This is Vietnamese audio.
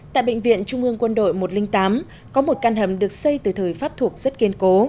tại bệnh viện trung ương quân đội một trăm linh tám có một căn hầm được xây từ thời pháp thuộc rất kiên cố